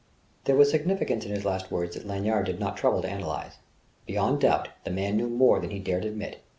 There was significance in his last words that Lanyard did not trouble to analyze. Beyond doubt, the man knew more than he dared admit.